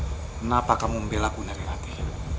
kenapa kamu membelaku nari rati